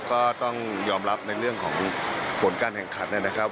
ก็ต้องยอมรับในเรื่องของผลการแข่งขันนะครับ